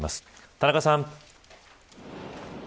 田中さん。